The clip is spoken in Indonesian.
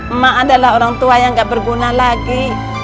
emak adalah orang tua yang gak berguna lagi